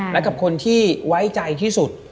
และกับคนที่ไว้ใจที่สุด